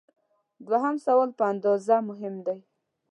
دوهم سوال په اندازه مهم دی.